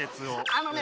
あのね